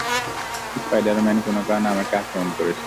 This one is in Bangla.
স্পাইডার-ম্যান কোনো কারণে আমাকে আক্রমণ করেছে।